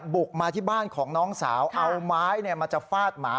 บุกมาที่บ้านของน้องสาวเอาไม้มาจะฟาดหมา